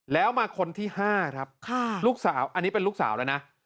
แล้วมาคนที่๕ครับลูกสาวอันนี้เป็นลูกสาวแล้วนะ